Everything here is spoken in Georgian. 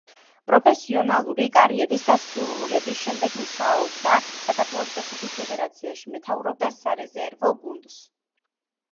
პროფესიონალური კარიერის დასრულების შემდეგ მუშაობდა საქართველოს ფეხბურთის ფედერაციაში, მეთაურობდა სარეზერვო გუნდს.